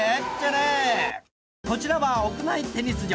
こちらは屋内テニス場。